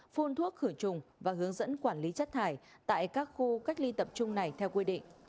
phun thuốc khử trùng và hướng dẫn quản lý chất thải tại các khu cách ly tập trung này theo quy định